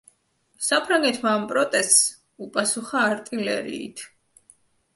საფრანგეთმა ამ პროტესტს უპასუხა არტილერიით.